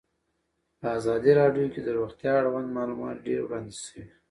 په ازادي راډیو کې د روغتیا اړوند معلومات ډېر وړاندې شوي.